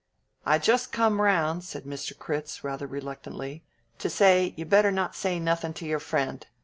"I just come around," said Mr. Critz, rather reluctantly, "to say you better not say nothing to your friend.